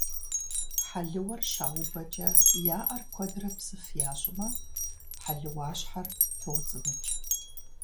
Хьэлыуэр щаубэкӀэ я Ӏэр куэдрэ псыф ящӀмэ, хьэлыуащхьэр тоуцӀы-ныкӀ.